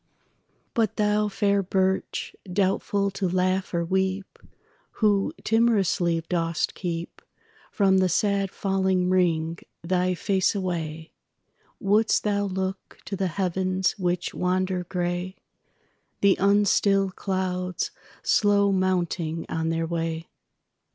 But thou, fair birch, doubtful to laugh or weep, Who timorously dost keepFrom the sad fallen ring thy face away; Wouldst thou look to the heavens which wander grey, The unstilled clouds, slow mounting on their way?